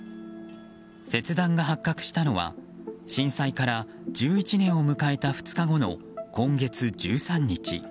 切断が発覚したのは震災から１１年を迎えた２日後の今月１３日。